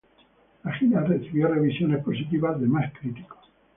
La gira recibió revisiones positivas de más críticos.